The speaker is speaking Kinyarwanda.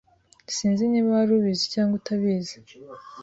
Sinzi niba wari ubizi cyangwa utabizi.